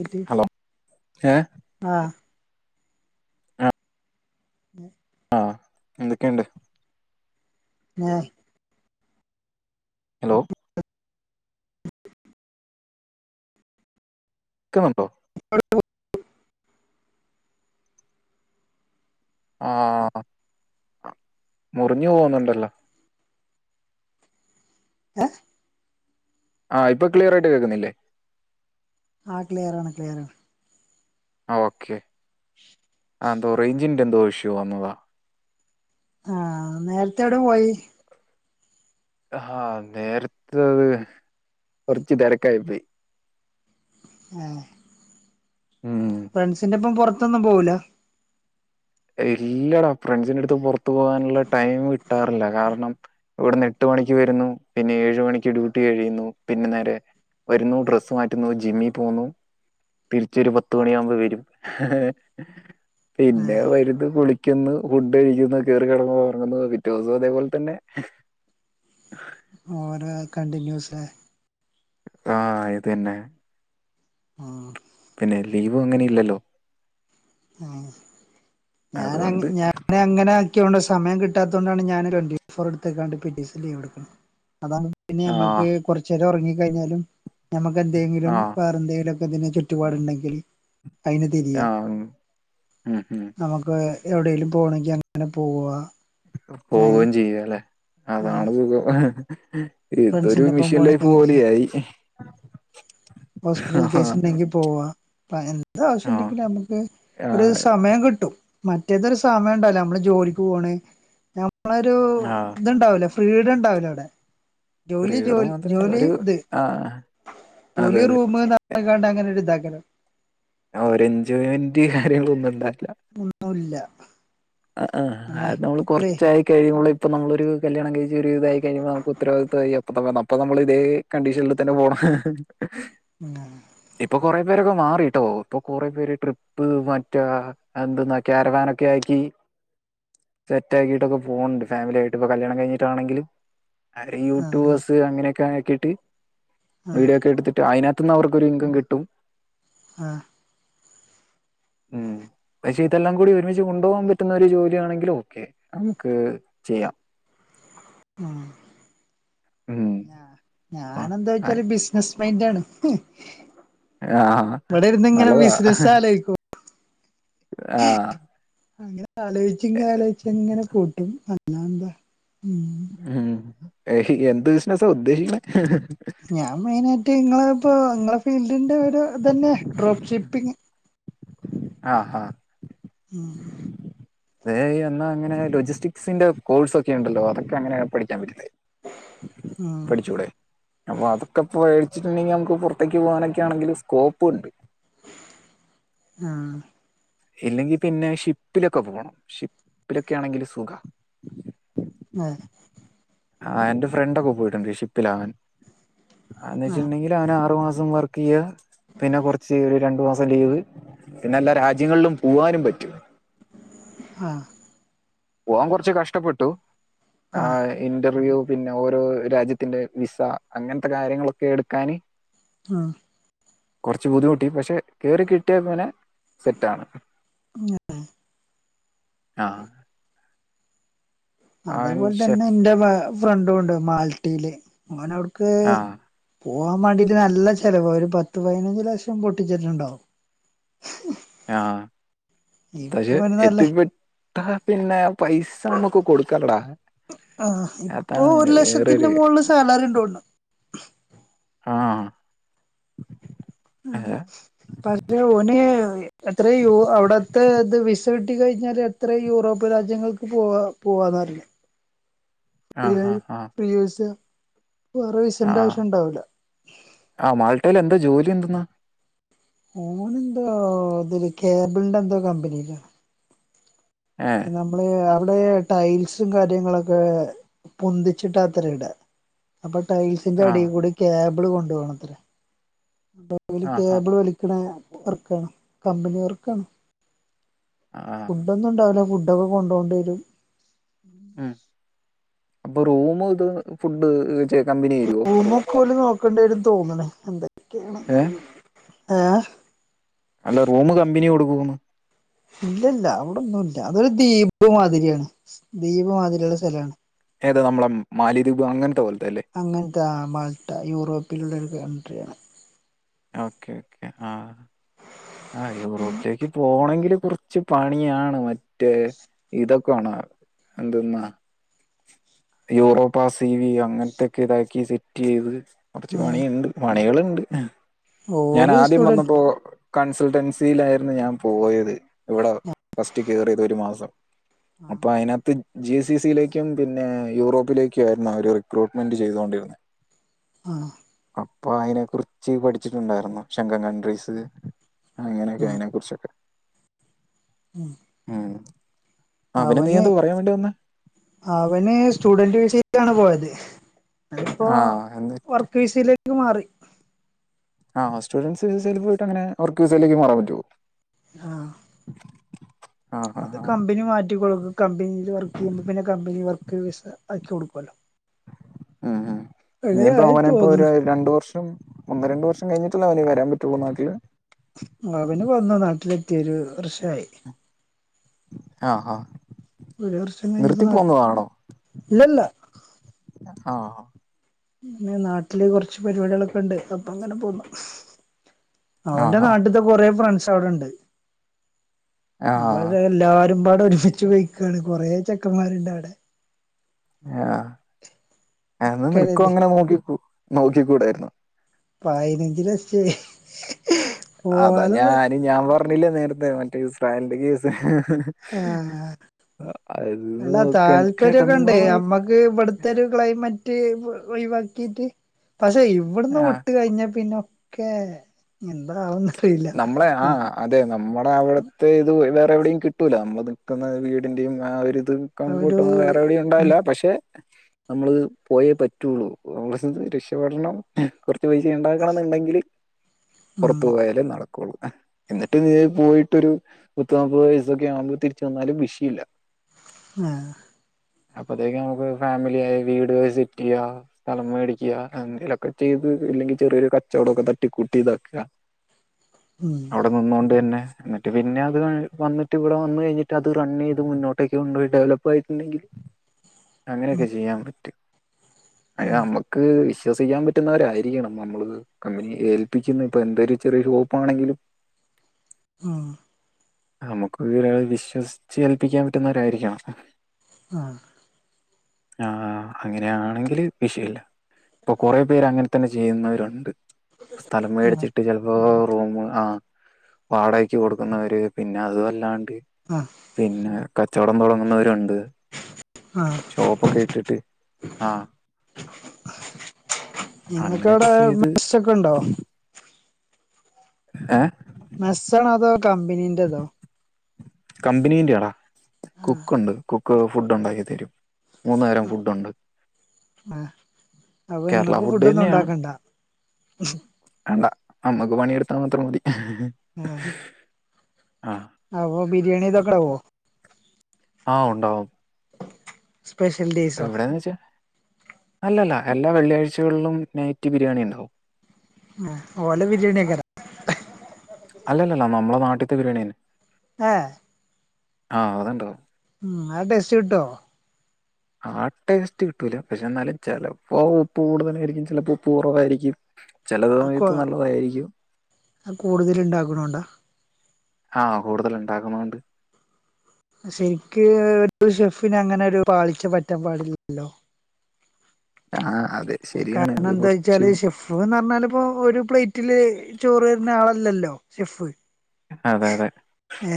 ന്നിട്ട് ഹലോ ഏ ആഹ് ഉം ആഹ് എന്തൊക്കെയുണ്ട് ആഹ് ഹലോ ക്കുന്നുണ്ടോ [unintelligible] ആഹ് മുറിഞ്ഞു പോകുന്നുണ്ടല്ലോ ഏഹ് ആഹ് ഇപ്പ ക്ലിയർ ആയിട്ട് കേൾക്കുന്നില്ലേ ആഹ് ക്ലിയർ ആണ് ക്ലിയറാണ് ആഹ് ഓക്കെ [inaudible] ആഹ് ന്തോ റേഞ്ചിന്റെന്തോ ഇഷ്യു വന്നതാ ആഹ് നേരത്തെ എവിടെ പോയി ആഹ് നേരത്തത് കൊറച്ച് തെരക്കായി പോയി ആഹ് ഉം ഫ്രണ്ട്സിന്റൊപ്പം പൊറത്തൊന്നും പോവില്ല ഇല്ലടോ ഫ്രണ്ട്സിന്റെടുത്തും പൊറത്തും പോകാനുള്ള ടൈമ് കിട്ടാറില്ല കാരണം ഇവിടുന്ന് എട്ട് മണിക്ക് വെരുന്നു പിന്നെ ഏഴ് മണിക്ക് ഡ്യൂട്ടി കഴിയുന്നു പിന്നെ നേരെ വരുന്നു ഡ്രസ്സ് മാറ്റുന്നു ജിമ്മിൽ പോകുന്നു തിരിച്ചൊരു പത്തുമണിയാവുമ്പോ വരും ഏ പിന്നെ വ രുന്ന് കുളിക്കുന്നു ഫുഡ് കഴിക്കുന്നു കേറി കെടന്നുറങ്ങുന്നു പിറ്റോസം അതേപോലെ തന്നെ ഓരോ കണ്ടിന്യൂസെ ആഹ് ഇത് തന്നെ ആഹ് പിന്നെ ലീവും അങ്ങനെ ഇല്ലല്ലോ ആഹ് ഞാനങ്‌ അതുകൊണ്ട് ഞാനാ ഇങ്ങനാക്കിയോണ്ട് സമയം കിട്ടാത്തോണ്ടാണ് ഞാന് ട്വന്റി ഫോർ എടുത്തെക്കാണ്ട് പിറ്റെസം ലീവ് എടുക്കുന്നത് അതാണ് പിന്നെ ആ ഞമ്മക്ക് കൊറച്ചേരം ഒറങ്ങി കയിഞ്ഞാലും ഞമ്മക്ക് ആ എന്തെങ്കിലും വേറെ എന്തെങ്കിലും ക്കതിന് ചുറ്റുപാടുണ്ടെങ്കിൽ അതിന് ആഹ് ഉം ഉം ഉം നമ്മക്ക് എവിടെലും പോണങ്കിൽ അങ്ങനെ പോവാ ഏ പോവും ചെയ്യാല്ലെ ആ അതാണ് സുഖം ഇതൊരു ഫ്രണ്ട്സിന്റെ ഒപ്പം മിഷൻ ലൈഫ് പോകണെങ്കിൽ എങ്ങനെ ചെയ്യാ പോലെയായി ഹോസ്പിറ്റൽ ആ കേസ് ണ്ടെങ്കി പോവാ പ എന്ത ആ ആവശ്യുണ്ടെങ്കിൽ നമ്മക്ക് ആ ഒര് സമയം കിട്ടും മറ്റേതൊരു സമയം ണ്ടാവൂല നമ്മള് ജോലിക്ക് പോണ് നമ്മളൊരു ആ. ഇതുണ്ടാവുലേ ഫ്രീഡം ണ്ടാവില്ല അവ്ടെ ജോലി സ്ത്രീകളുടെ ജോലി മാത്രമേ ജോലി ഒരു ഇത് ആ അതെ ജോലി അതെ റൂമ് ന്ന ങ്ങാണ്ട് അങ്ങനെ ഒരു ഇതാക്കലാന്ന് ആ ഒരു എൻജോയ്മെന്റ് കാര്യങ്ങളൊന്നും ഇണ്ടാവൂല ഒന്നുല്ല ആ ആ നമ്മ അത് നമ്മള് എപ്പളേ കൊറച്ചായി കഴിയുമ്പോളെ ഇപ്പ നമ്മളൊരു കല്യാണം കഴിച്ച് ഒരു ഇതായി കഴിയ്മ്പോൾ നമുക്ക് ഉത്തരവാദിത്തമായി അപ്പൊ നമ്മിളിതേ കണ്ടീഷനിൽ തന്നെ പോണം ഹ് ഹ് ഉം ഇപ്പൊ കൊറേ പേരൊക്കെ മാറി ട്ടോ ഇപ്പൊ കൊറേ പേര് ട്രിപ്പ് മറ്റേ എന്തെന്നാ ക്യാരവാനൊക്കെ ആക്കി സെറ്റക്കിയിട്ടൊക്കെ പോണാണ്ട് ഫാമിലിയായിട്ട് പ്പ കല്യാണം കഴിഞ്ഞിട്ടാണെങ്കിലും അല്ലെങ്കി ആ യൂട്യൂബേഴ്സ് അങ്ങനൊക്കെ ആക്കിയിട്ട് ആ വീഡിയോ ഒക്കെ എടുത്തിട്ട് അതിനകത്തു നിന്ന് അവർക്കൊരു ഇൻകം കിട്ടും ആഹ് ഉം പക്ഷെ ഇതെല്ലാം കൂടി ഒരുമിച്ച് കൊണ്ടുപോകാൻ പറ്റും റ്റുന്ന ഒരു ജോലിയാണെങ്കിൽ ഓക്കെ നമുക്ക് ചെയ്യാം ആഹ് ഉം ഞ ആ ഞാനെന്താ ച്ചാല് ബിസിനസ് മൈൻഡാണ് ആ ഇവിടെ ഇരുന്ന് ഇങ്ങനെ ബിസിനസ് നല്ലതാ ആലോചിക്കും ആഹ് അങ്ങനെ ആലോചിച്ചിങ്ങ ആലോചിച്ചങ്ങനെ കൂട്ടും അല്ലാതെന്താ ഉം ഹ് ഹ് എന്ത് ബിസിനസാ ഉദ്ദേശിക്കണേ ഹ് ഹ് ഞാൻ മെയിനായിട്ട് ഇങ്ങള ഇപ്പോ നിങ്ങളെ ഫീൽഡിന്റെ ഒരു ഇതന്നെ ഡ്രോപ്പ് ഷിപ്പിങ് ആഹ് ആഹ് ഉം ദേ ന്നാ അങ്ങനെ ലൊജിസ്റ്റിക്സിന്റെ കോഴ്സ് ഒക്കെ ഉണ്ടല്ലോ അതൊക്കെ അങ്ങനെയാ പഠിക്കാൻ പറ്റുന്നത് ഉം പഠിച്ചൂടെ അപ്പൊ അതൊക്കെ പ മേച്ചിട്ടുണ്ടെങ്കി നമുക്ക് പുറത്തേക്ക് പോകാനൊക്കെ ആണെങ്കിൽ സ്കോപ്പ് ഉണ്ട് ആഹ് എല്ലെങ്കിൽ പിന്നെ ഷിപ്പിലൊക്കെ പോണം ഷിപ്പിലൊക്കെ ആണെങ്കിൽ സുഖാ ആഹ് ആഹ് എന്റെ ഫ്രണ്ടൊക്കെ പോയിട്ടുണ്ട് ഷിപ്പിലാവാൻ അന്ന് ആഹ് വെച്ചിട്ടുണ്ടെങ്കിൽ അവന് ആറു മാസം വർക്ക് ചെയ്യ പിന്നെ കൊറച്ച് ഒരു രണ്ടു മാസം ലീവ് പിന്നെ എല്ലാ രാജ്യങ്ങളിലും പോവാനും പറ്റും ആഹ് പോവാൻ കുറച്ച് കഷ്ടപ്പെട്ടു ആഹ് ഇന്റർവ്യൂ പിന്നെ ഓരോ രാജ്യത്തിന്റെ വിസ അങ്ങനത്തെ കാര്യങ്ങളൊക്കെ എടുക്കാന് ആഹ് കൊർച്ച് ബുദ്ധിമുട്ടി പക്ഷെ കേറി കിട്ടിയ പിന്നെ സെറ്റാണ്. [inaudible] ആഹ് അവൻ അതേപോൽ തന്നെ ഷെഫ് ന്റെ ബാ ഫ്രണ്ടുണ്ട് മാൽട്ടീല് ഓനവ്ടുക്ക് ആഹ് പോകാൻ വേണ്ടിട്ട് നല്ല ചെലവാ ഒരു പത്ത് പതിനഞ്ച് ലക്ഷം പൊട്ടിച്ചിട്ടുണ്ടാവും. ഉ ആഹ് പക്ഷെ നല്ല എത്തിപ്പെ ത്തഹ പിന്നെ പൈസമ്മക്ക് കൊടുക്കാലെടാ ആഹ് ഇപ്പൊ ഒരു ലക്ഷത്തിന്റെ മോള് സാലറിണ്ടോണ്ട് ആഹ് അഹ് ഏഹ് പക്ഷേ ഓന് എത്ര യു അവിടത്തെ ത് വിസ ട്ടി കഴിഞ്ഞാൽ എത്ര യൂറോപ്യൻ രാജ്യങ്ങൾക്ക് പോവാ പോവാന്നറില്ല. ആഹ് ഫ്രീയായ് ആഹ് ആഹ് ഫ്രീവിസയ വേറെ വിസന്റാവശ്യം ണ്ടാവൂല ആ മാൾട്ടയിലെന്താ ജോലി എന്തെന്നാ? ഓനെന്തോ തില് കേബിൾന്റെ ന്തോ കമ്പനീലാ. ഏഹ് നമ്മള് അവിടെ ടൈൽസും കാര്യങ്ങളൊക്കെ പൊന്തിച്ചിട്ടാ ത്രെ ഇട അപ്പൊ ആഹ് ടൈൽസിന്റെടിൽ കൂടി കേബിള് കൊണ്ട് പോണത്രെ [unintelligible] ആഹ് കേബിള് വലി [unintelligible] വർക്കാണ് കമ്പനി വർക്കാണ് അ ആഹ് ഫുഡൊന്നും ഉണ്ടാവൂല ഫുഡൊക്കെ കൊണ്ടോണ്ടി വരും ഉം. അപ്പൊ റൂമു തും ഫുഡ് ചെ കമ്പനി തരോ? ക്കോല് നോക്കേണ്ടി വരും ന്ന് തോന്നുണ് ഏഹ് എന്തൊക്കെയാണെന്നറിയില്ല. ഏഹ് അല്ല റൂമ് കമ്പനി കൊടുക്കുന്ന് ഇല്ല ല്ല അവിടൊന്നുല്ല അതൊരു ദ്വീപ് മാതിരിയാണ് ദ്വീപ്മാതിരിയുള്ള സലാണ്. ഏത് നമ്മളെ മാലി ദ്വീപ് അങ്ങെൻത്തെ പോലത്തെ അല്ലേ അങ്ങൻത്ത ആ മാൾട്ട യൂറോപ്പിലുള്ളൊരു കൺട്രിയാണ്. ഓക്കെ ഓക്കെ ആഹ് ആഹ് യൂറോപ്പിലേക്ക് പോണെങ്കില് കൊർ ച്ച് പണിയാണ് മറ്റേ ഇതൊക്ക വേണാർ എന്ത്ന്നാ യൂറോപ്പാ സി വി അങ്ങൻത്തെക്കെ താക്കി സെറ്റ് ചെയ്ത് കൊറച്ച് ഉം പണീണ്ട് പണികള്ണ്ട്. എ ഓല് ഞാനാദ്യം സ്റ്റുഡന്റ് വന്നപ്പോ കൺസ്ൾട്ടൻസിയിലായിരുന്നു ഞാൻ പോയത് ഇവിടെ ഫസ്റ്റ് കേറ്യതൊരു മാസം അപ്പൊ അയിനാത്ത് ജി സി സിയിലേക്കും പിന്നെ യൂറോപ്പിലേക്കും ആയിരുന്നു അവര് റിക്രൂട്ട്മെന്റ് ചെയ്തുകൊണ്ടിരുന്നത്. ആഹ് അപ്പൊ അയിനെ കുറിച്ച് പഠിച്ചിട്ടുണ്ടായിരുന്നു ശങ്ക കൺട്രീസ് അങ്ങനെയൊക്കെ ആ അയിനെ കുറിച്ചൊക്കെ ഉം ഏഹ് അവന് അവന് സ്റ്റുഡന്റ് വിസക്കാണ് പോയത് അത്പ്പോ ആ എന്ത് വർക്ക് വിസയിലേക്ക് മാറി. ആഹ് സ്റ്റുഡൻസ് വിസ്സയിൽ പോയിട്ടങ്ങനെ വർക്ക് വിസയിലേക്ക് മാറാൻ പറ്റോ? ആഹ് ആഹ് അത് കമ്പിനി മാറ്റി കൊടുക്കും കമ്പിനീല് വർക്ക് ചെയ്യുമ്പോ പിന്നെ കമ്പിനി വർക്ക് വിസ അയച്ചു കൊടുക്കുവല്ലോ ഉം ഉം അങ്ങനെ നീയിപ്പൊ ആയി അവനൊപ്പൊര് തോന്നുന്നു രണ്ടു വർഷം ഒന്ന് രണ്ട് വർഷം കഴിഞ്ഞട്ടല്ല അവനിപ്പൊ വരാൻ പറ്റുള്ളൂ നാട്ടില് അവന് വന്ന നാട്ടിലെത്തിയൊരു വർഷമായി ആഹ് ഹ് ഒരു വർഷം കഴിഞ്ഞപ്പോ നാട്ടില് ഇല്ലല്ല ആഹ് പിന്നെ നാട്ടില് കുറച്ച് പരിപാടികളൊക്കെ ഉണ്ട് അപ്പൊ അങ്ങനെ പോന്നു ആ അവന്റെ ആ നാട്ടിത്തെ കൊറേ ഫ്രണ്ട്സ് അവിടെ ഉണ്ട് ആ അപ്പോ ആ. എല്ലാരും പാടെ ഒരുമിച്ച് പോയിരി ക്കയാണ് കൊറേ ചെക്കന്മാരുണ്ട് അവിടെ ആഹ് എന്നനിനക്കും കരുതി അങ്ങനെ നോക്കി നോക്കിക്കൂടായിരുന്നോ പയാനഞ്ചിലെക്ഷേ അതാ ഞാഞാൻ പറഞ്ഞില്ലേ നേരത്തെ മറ്റേസ്രായലിന്റെ കേസ് ആഹ് അതന്ന് അല്ല നോക്കാൻ താല്പര്യൊക്കെ കെട്ന്ന ഉണ്ട് നമ്മക്ക് ഇവിടുത്തെ ഒരു ക്ലൈമറ്റ് ഒഴിവാക്കിട്ട് പ്പൊ ചെയ്യും ഇവിടന്ന് ആഹ് വിട്ട് കഴിഞ്ഞ പിന്നൊക്കെ എന്താവുന്നു നമ്മളെ ആഹ് അതെ നമ്മുടെ അവിടുത്തെ ഇത് വേറെ എവിടെയും കിട്ടൂല നമ്മൾ നിൽക്കുന്ന വീടിന്റെയും ആ ഒരുരി ഇത് കൂട്ട ഒരു വേറെ എവിടെയും ഉം ണ്ട പക്ഷെ നമ്മള പോയ പറ്റുള്ളൂ നമ്മ രക്ഷപടണം പൈസ ഉണ്ടാക്കണം എന്നുണ്ടെങ്കിൽ ഉം പുറത്തു പോയാലേ നടക്കുള്ളൂ എന്നിട്ട് നീ പോയിട്ടൊരു മുത്ത് നാപ്പത് വയസൊക്കെ ആവുമ്പോൾ തിരിച്ചു വന്നാലും വിഷയം ഇല്ല ആഹ് അപ്പത്തേക്ക് നമുക്ക് ഫാമിലിയ ആയി വീട് വിസിറ്റ് ചെയ്യ സ്ഥലം മേടിക്കുക എന്തെലൊക്കെ ചെയ്ത് ഇല്ലെങ്കിൽ ചെറിയൊരു കച്ചവടംക്കെ തട്ടിക്കൂട്ടി ഇതാക്ക ഉം നിന്നുകൊണ്ട് തന്നെ എന്നിട്ട് പിന്നെ അത് വന്നട്ട് ഇവിടെ വന്ന് കഴിഞ്ഞിട്ട് അത് റൺ ചെയ്ത് മുന്നോട്ടേക്ക് കൊണ്ട്പോയി ഡെവലപ്പ് ഡെവലപ്പ് ആയിട്ടുണ്ടെങ്കിൽ അങ്ങനെയൊക്കെ ചെയ്യാൻ പറ്റും അത് നമ്മുക്ക് വിശ്വസിക്കാൻ പറ്റുന്നവരായിരിക്കണം നമ്മള് കമ്പനി ഏൽപ്പിക്കുന്ന ഇപ്പൊ എന്ത ചെറിയരു ഹോപ്പാണെങ്കിലും ആഹ് നമുക്ക് ഒരാളെ വിശ്വസിച്ച് ഏൽപ്പിക്കാൻ പറ്റുന്നവരായിരിക്കണം ആഹ് ആഹ് അങ്ങനെയാണെങ്കില് വിഷയില്ല ഇപ്പൊ കുറ പേര് അങ്ങനെ തന്നെ ചെയ്യുന്നവരുണ്ട് സ്ഥലം ആഹ് മേടിച്ചിട്ട് ചിലപ്പോൾ റൂമ് ആ വാടകക്ക്‌ കൊടുക്കുന്നവര് പിന്നെ അതല്ലാണ്ട് ആഹ് പിന്നെ കച്ചവടം തുടങ്ങുന്നവരുണ്ട് ആഹ് ഷോപ്പൊക്കെ ഇട്ടിട്ട് ആഹ് അങ്ങനെയൊക്കെ നിങ്ങക്കവിടെ ചെയ്ത് മെസ് ഒക്കെ ഉണ്ടോ ഏഹ് മെസ്സാണോ അതോ കമ്പനീന്റെറതോ കമ്പനീന്റെയാടാ കുക്ക് ഉണ്ട് കുക്ക് ഫുഡ് ഉണ്ടാക്കി തരും മൂന്നു നേരം ഫുഡ്ണ്ട് ആഹ് അപ്പൊ കേരള ഇങ്ങക്ക് ഫുഡ് ഒന്നും തന്നെയാണ് ഉണ്ടാക്കണ്ട വേണ്ട നമ്മുക്ക് പണിയെടുത്താൻ മാത്രം മതി ആഹ് അപ്പോ ബിരിയാണി തക്കാവോ ആഹ് ഉണ്ടാവും സ്പെഷ്യൽ ഡേ എവടെന്ന് വെച്ചാ അല്ലല്ല എല്ലാ വെള്ളിയാഴ്ചകളിലും നൈറ്റ് ബിരിയാണി ഇണ്ടാവും. ഓല ബിരിയാണിക്കാരം അല്ലല്ല നമ്മളെ നാട്ടിത്തെ ബിരിയാണി തന്നെ. ഏഹ് ആ അത്ണ്ടാവും ഉം ആ ടേസ്റ്റ് കിട്ടോ? ആ ടേസ്റ്റ് കിട്ടൂല പക്ഷെ എന്നാലും ചെലപ്പോ ഉപ്പ് കൂടുതലായിരിക്കും ചെലപ്പോ ഉപ്പ് കൊറവായിരിക്കും. ചെല കൊ സമയത്ത് നല്ലതായിരിക്കും കൂടുതൽ ഉണ്ടാക്കണോണ്ടാ ആ കൂടുതൽ ഇണ്ടാക്ക്ണോണ്ട് ശരിക്ക് ഒരു ഷെഫിന് അങ്ങനെ ഒരു പാളിച്ച പറ്റാൻ പാടില്ലല്ലോ. ആ അതെ ശരിയാണ് കാരണം ഇത് എന്താ കുറച്ച് വെച്ചാല് ഷെഫ് [unintelligible] പർഞ്ഞാൽ ഇപ്പോ ഒരു പ്ലേറ്റില് ചോറ് തരുന്ന ആളല്ലല്ലോ ഷെഫ്. അതെ അതെ ഏ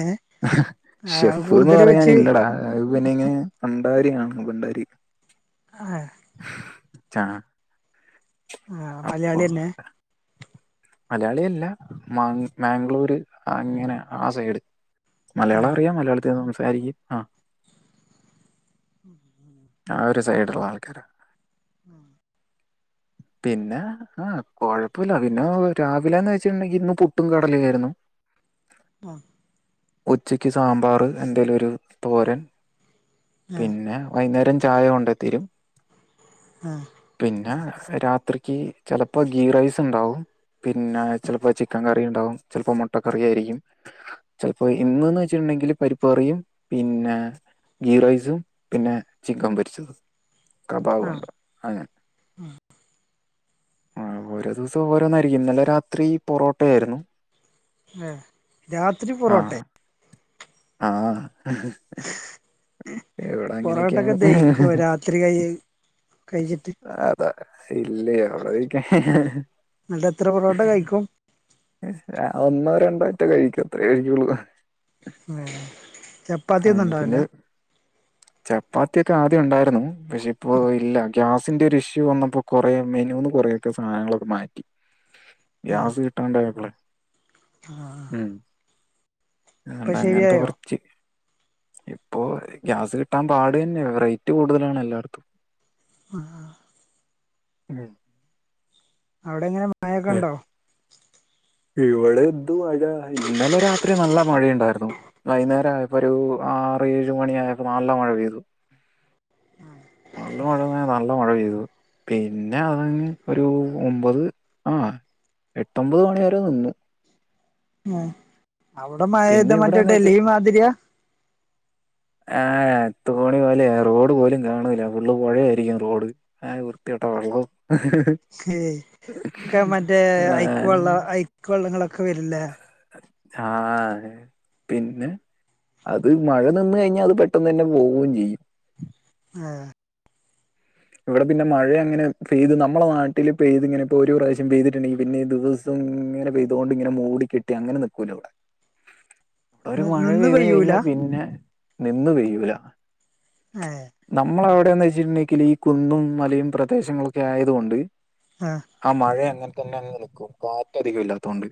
ആ ഷെഫ്ന്ന് കൂടുതൽ പറയാൻ വെച്ച് ഇല്ലടാ. അഹ് പിന്നെ ഇങ്ങനെ ഭണ്ടാരിയാണ് ഭണ്ടാരി. ആഹ് ച്ചാ ആ മലയാളിന്നെ? മലയാളി അല്ല മാ മാംഗ്ലൂര് അങ്ങനെ ആ സൈഡ്. ആ മലയാളം അറിയാം മലയാളത്തിന്ന് സംസാരിക്കും ആഹ്. ഉം ഉം ആ ഒരു സൈഡ്ള്ള ആൾക്കാരാ. ഉം പിന്നെ ആ കൊഴപ്പൊല്ല പിന്നെ രാവിലെന്ന് വെച്ചിണ്ടെങ്കി ഇന്ന് പുട്ടും കടലായിരുന്നു. ആഹ് ഉച്ചക്ക് സാമ്പാർ എന്തെലും ഒരു തോരൻ പിന്നെ വൈന്നാരം ചായ കൊണ്ട് തരും. ആഹ് പിന്നെ രാത്രിക്ക് ചെലപ്പോ ഗീ റൈസ് ഇണ്ടാവും. പിന്നെ ചെലപ്പോ ചിക്കൻ കറി ഇണ്ടാവും ചെലപ്പോ മുട്ട കറിയായിരിക്കും. ചെലപ്പോ ഇന്ന്ന്ന് വെച്ചിണ്ടെങ്കില് പരിപ്പ് കറിയും പിന്നെ ഗീ റൈസും പിന്നെ ചിക്കൻ പൊരിച്ചതും ആ ആ കബാബുണ്ട് അങ്ങനെ ആ ഓരോ ദിവസം ഓരോന്നായിരിക്കും ഇന്നലെ രാത്രി പൊറോട്ട ആയിരുന്നു. ഏ രാത്രി പൊറോട്ടെ? ആഹ് പൊറാട്ടൊക്കെ ദഹിക്കോ രാത്രി കഴിയി കഴിച്ചിട്ട്? ഇല്ലേ [unintelligible] ഇന്നട്ട് എത്ര പൊറോട്ട കഴിക്കും? ഒന്നോ രണ്ടോറ്റേ കഴിക്കും അത്രേ കഴിയുള്ളു. ഏ ചപ്പാത്തി ഒന്നും ഉണ്ടാവില്ല? ചപ്പാത്തി ഒക്കെ ആദ്യം ഉണ്ടായിരുന്നു പക്ഷെ ഇപ്പോ ഇല്ല. ഗ്യാസിന്റെ ഒരു ഇഷ്യൂ വന്നപ്പോ കൊറേ മെനൂന്ന് കൊറേക്കെ സാനങ്ങളൊക്കെ മാറ്റി. ഗ്യാസ് കിട്ടാണ്ടായപ്പളെ. അഹ്‌ ഉം അണ്ട അങ്ങനത്തെ ശരിയായോ കുറച്ച് ഇപ്പോ. ഗ്യാസ് കിട്ടാൻ പാടതന്നെ റേറ്റ് കൂടുതലാണ് എല്ലാട്തും. ആഹ് ഉം. അവിടെ എങ്ങനെ മഴൊക്കെ ഏ, ഇണ്ടോ. ഇവിടെ എന്ത് മഴ ഇന്നലെ രാത്രി നല്ല മഴയുണ്ടായിരുന്നു. വൈകുന്നേര ആയപ്പോ ഒരു ആറ് ഏഴു മണി ആയപ്പോ നല്ല മഴ പെയ്തു. നല്ല മഴന്നാ നല്ല മഴ പെയ്തു. പിന്നെ അത് ഒരു ഒമ്പത് ആ എട്ടൊമ്പത് മണി വരെ നിന്നു. ഉം അവിടെ മയ പിന്നെ പോയ്താ മറ്റേ ഇവിടെന്ന് വെച്ച് ഡൽഹി മാതിര്യാ. ആഹ് തോണി പോലേയാ റോഡ് പോലും കാണൂല ഫുള്ള് പൊഴയാ ആയിരിക്കും റോഡ്. ആവൃത്തിയട്ട വള്ളവും ഹേ ക മറ്റേ ഐക്ക് വള്ള ഐക്ക് വെള്ളങ്ങളൊക്കെ വര്ല്ലേ? ആഹ ഹേ. പിന്നെ അത് മഴ നിന്ന് കഴിഞ്ഞാ അത് പെട്ടെന്ന് തന്നെ പോവും ചെയ്യും. ആഹ് ഇവിടെ പിന്നെ മഴ അങ്ങനെ പെയ് നമ്മളെ നാട്ടില് പെയ് ഇങ്ങനെ ഇപ്പൊ ഒരോ പ്രാവശ്യം പെയ്തിട്ടുണ്ടെങ്കി പിന്നെ ദിവ സം ഇങ്ങനെ പെയ്തൊണ്ട് ഇങ്ങനെ മൂടിക്കെട്ടി അങ്ങനെ നിക്കൂല ഇവടെ. ഒരു മഴ നിന്ന് പെയ്ത് പെയ്യൂല കഴിഞ്ഞാ പിന്നെ നിന്നു പെയ്യൂല. അതെ നമ്മളെ വടെന്ന് വെച്ചിട്ടുണ്ടെങ്കില് ഈ കുന്നും മലയും പ്രദേശങ്ങളൊക്കെ ആയതുകൊണ്ട്. ആഹ. ആ മഴയങ്ങൻ തന്നെ നിക്കും കാറ്റ അധികം ഇല്ലാതോണ്ട്.